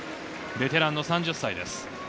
ベテラン３０歳です。